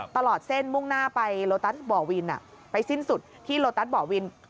ตลอดเส้นมุ่งหน้าไปโลตัสบ่อวินไปสิ้นสุดที่โลตัสบ่อวิน